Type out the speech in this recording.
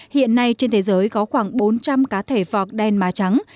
hiện nay trên thế giới có khoảng bốn trăm linh cá thể vọc đen má trắng